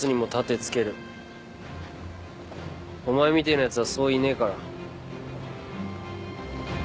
お前みてえなやつはそういねえから。